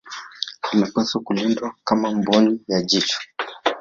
Linapaswa kulindwa kama mboni ya jicho